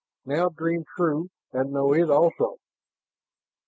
Now dream true, and know it also."